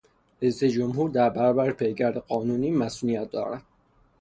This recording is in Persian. رئیس جمهور در برابر پیگرد قانونی مصونیت دارد.